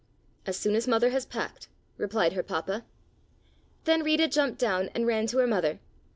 "As soon as Mother has packed," replied her Papa. Then Rita jumped down and ran to her Mother.